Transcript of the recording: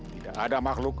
tidak ada makhluk